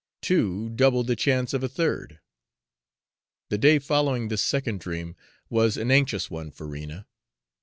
Two doubled the chance of a third. The day following this second dream was an anxious one for Rena.